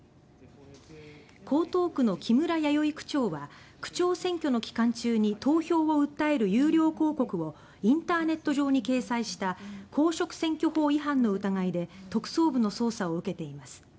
江東区の木村弥生区長は区長選挙の期間中に投票を訴える有料広告をインターネット上に掲載した公職選挙法違反の疑いで特捜部の捜査を受けています。